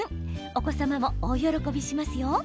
お子様も大喜びしますよ。